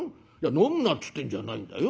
飲むなって言ってんじゃないんだよ。